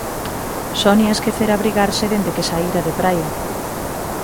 Sonia esquecera abrigarse dende que saíra de Praia.